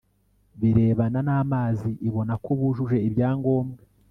birebana n Amazi ibona ko bujuje ibyangombwa